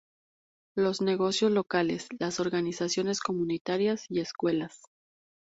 Los negocios locales, las organizaciones comunitarias, y escuelas.